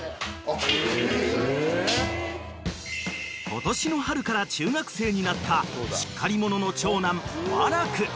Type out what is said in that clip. ［今年の春から中学生になったしっかり者の長男和楽］